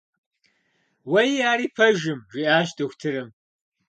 Уэи, ари пэжым, - жиӀащ дохутырым.